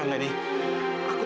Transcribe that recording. lalu dia menemukan rizky